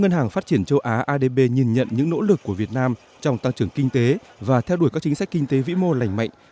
ngân hàng phát triển châu á adb nhìn nhận những nỗ lực của việt nam trong tăng trưởng kinh tế và theo đuổi các chính sách kinh tế vĩ mô lành mạnh